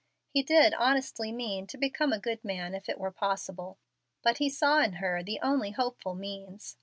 He did honestly mean to become a good man if it were possible, but he saw in her the only hopeful means.